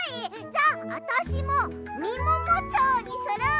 じゃああたしも「みももチョウ」にする！